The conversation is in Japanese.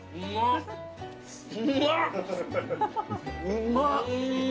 「うまっ！」